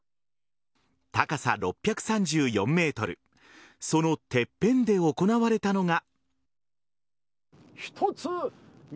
高さ６３４ｍそのてっぺんで行われたのが。